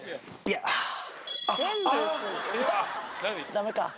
ダメか。